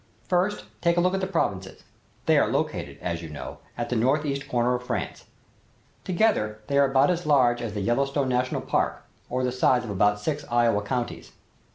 First, take a look at the provinces. They are located, as you know, at the northeast corner of France. Together they are about as large as the Yellowstone National Park, or the size of about six Iowa counties.